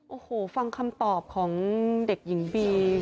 โอ้โหฟังคำตอบของเด็กหญิงบี